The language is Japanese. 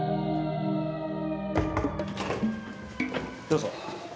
どうぞ。